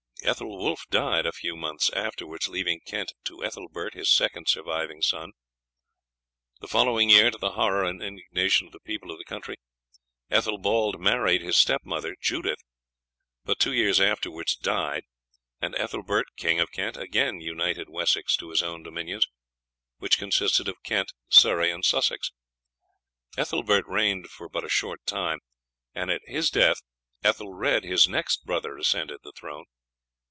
Ethelwulf died a few months afterwards, leaving Kent to Ethelbert, his second surviving son. The following year, to the horror and indignation of the people of the country, Ethelbald married his stepmother Judith, but two years afterwards died, and Ethelbert, King of Kent, again united Wessex to his own dominions, which consisted of Kent, Surrey, and Sussex. Ethelbert reigned but a short time, and at his death Ethelred, his next brother, ascended the throne.